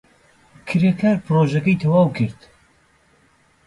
کرێکار پرۆژەکەی تەواو کرد.